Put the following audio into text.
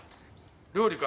料理か？